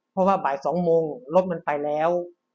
เพราะว่าบ่าย๒โมงรถมันไปแล้ว